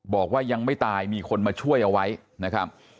บอกว่ายังไม่ตายมีคนมาช่วยเอาไว้นะครับ